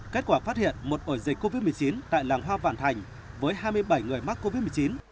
kết quả phát hiện một ổ dịch covid một mươi chín tại làng hoa vạn thành với hai mươi bảy người mắc covid một mươi chín